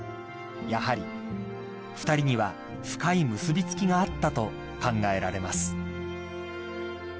［やはり２人には深い結び付きがあったと考えられます］